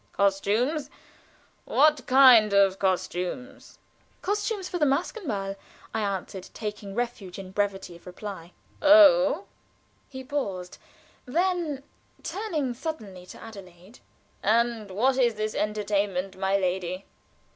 "Costumes what kind of costumes?" "Costumes for the maskenball," I answered, taking refuge in brevity of reply. "Oh!" He paused. Then, turning suddenly to Adelaide: "And what is this entertainment, my lady?"